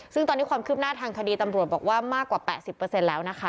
ซึ่งตอนนี้ความครืบหน้าทางคดีตำรวจบอกว่ามากกว่าแปะสิบเปอร์เซ็นต์แล้วนะคะ